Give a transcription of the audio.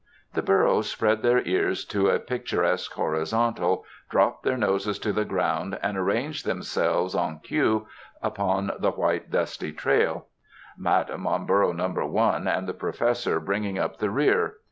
The burros spread their ears to a picturesque horizontal, drop their noses to the ground, and arrange themselves en queue upon the white dusty trail. Madam on burro number one and the Professor bringing up the rear.